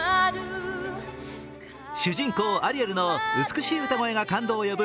主人公・アリエルの美しい歌声が感動を呼ぶ